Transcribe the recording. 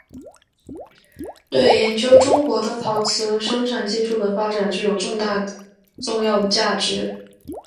对研究中国的陶瓷生产技术的发展具有重要的价值。